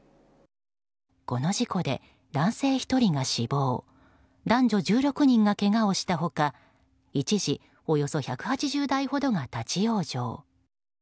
この事故で、男性１人が死亡男女１６人がけがをした他一時、およそ１８０台ほどが立ち往生。